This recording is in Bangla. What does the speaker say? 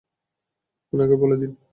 উনাকে বলে দিন।